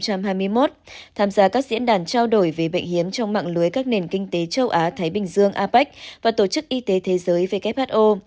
tham gia các diễn đàn trao đổi về bệnh hiếm trong mạng lưới các nền kinh tế châu á thái bình dương apec và tổ chức y tế thế giới who